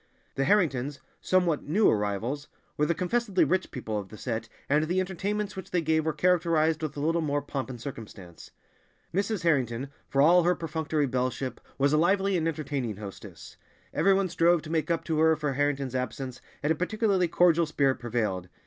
The Harringtons—somewhat new arrivals—were the confessedly rich people of the set, and the entertainments which they gave were characterized with a little more pomp and circumstance. Mrs. Harrington, for all her perfunctory belleship, was a lively and entertaining hostess. Everyone strove to make up to her for Harrington's absence, and a particularly cordial spirit prevailed.